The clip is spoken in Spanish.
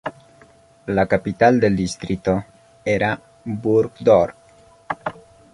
La capital del distrito era Burgdorf.